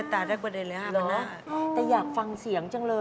๑๐กว่าปี๕๕๐๐บาทนี่แพง